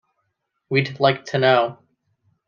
We'd like to know.